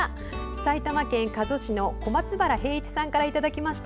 埼玉県加須市の小松原平市さんからいただきました。